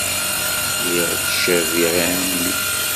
Lliɣ ttcabiɣ ɛemmi.